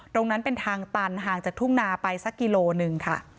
ตรงนั้นเป็นทางตันห่างจากทุ่งนาไปสักกิโลหนึ่งค่ะ